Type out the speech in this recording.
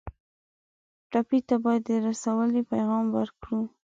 ټپي ته باید د سولې پیغام ورکړو.